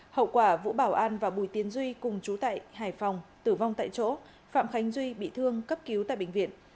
hậu quả vũ bảo an và bùi tiến duy cùng chú tại hải phòng tử vong tại chỗ phạm khánh duy bị thương cấp cứu tại bệnh viện